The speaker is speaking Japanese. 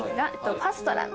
パストラミ。